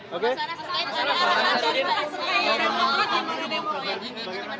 mas anas ada arahan dari pak sbi untuk mendukung proyek ini